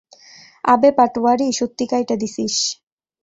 আবে পাটওয়ারি, সত্যি কাইটা দিছিস।